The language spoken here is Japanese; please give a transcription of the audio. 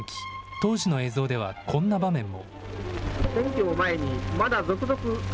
当時の映像ではこんな場面も。